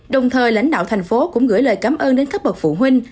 đồng thời lãnh đạo thành phố cũng gửi lời cảm ơn đến các bậc phụ huynh